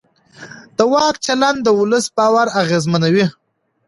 د واک چلند د ولس باور اغېزمنوي